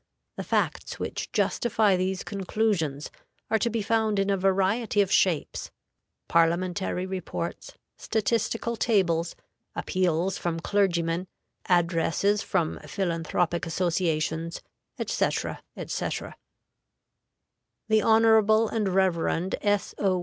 The facts which justify these conclusions are to be found in a variety of shapes parliamentary reports, statistical tables, appeals from clergymen, addresses from philanthropic associations, etc., etc. The Honorable and Reverend S. O.